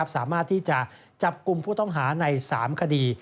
สามารถที่จะจับกลุ่มผู้ต้องหาใน๓คดี